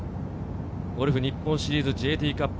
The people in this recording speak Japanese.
ゴルフ日本シリーズＪＴカップ。